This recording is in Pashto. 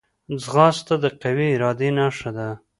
ځغاسته د قوي ارادې نښه ده